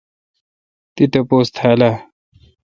تی تاپوس تھال اؘ۔